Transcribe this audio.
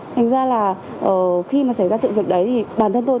thành ra là khi mà xảy ra sự việc đấy thì bản thân tôi